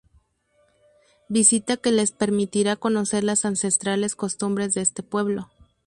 Visita que les permitirá conocer las ancestrales costumbres de este pueblo.